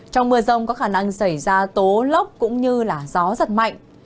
trong mưa rông có khả năng xảy ra tố lốc cũng như gió giật mạnh